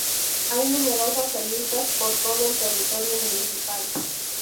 Hay numerosas ermitas por todo el territorio municipal.